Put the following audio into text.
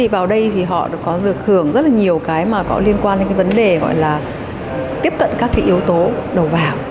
vào đây họ được hưởng rất nhiều cái liên quan đến vấn đề gọi là tiếp cận các yếu tố đầu vào